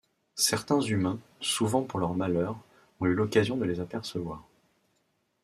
Certains humains, souvent pour leur malheur, ont eu l’occasion de les apercevoir.